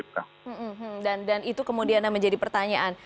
dan itu kemudian menjadi pertanyaan